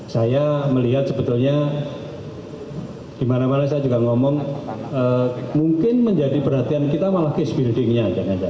saya melihat sebetulnya di mana mana saya juga ngomong mungkin menjadi perhatian kita malah case buildingnya